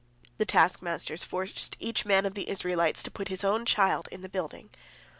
The taskmasters forced each man of the Israelites to put his own child in the building.